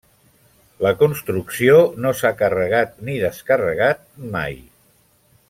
La construcció no s'ha carregat ni descarregat mai.